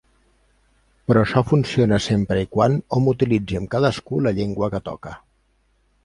Però això funciona sempre i quan hom utilitzi amb cadascú la llengua que toca.